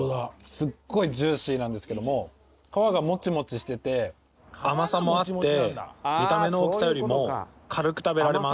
すごいジューシーなんですけども皮がもちもちしてて甘さもあって見た目の大きさよりも軽く食べられます。